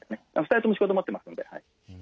２人とも仕事持ってますので。